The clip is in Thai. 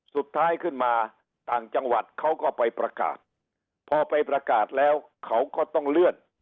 สุดท้ายขึ้นมาต่างจังหวัดเขาก็ไปประกาศพอไปประกาศแล้วเขาก็ต้องเลื่อน